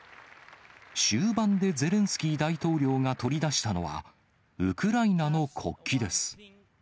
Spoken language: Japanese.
終盤でゼレンスキー大統領が取り出したのは、ウクライナの国旗です。